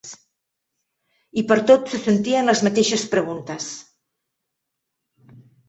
I pertot se sentien les mateixes preguntes